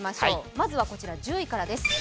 まずは１０位からです。